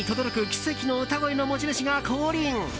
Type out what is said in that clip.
奇跡の歌声の持ち主が降臨。